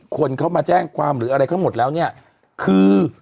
คนเขามาแจ้งความหรืออะไรทั้งหมดแล้วเนี่ยคือ